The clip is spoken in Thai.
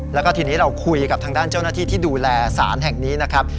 แล้วก็ทีนี้เราคุยกับทางด้านเจ้าหน้าที่ที่ดูแลสารแห่งนี้นะครับ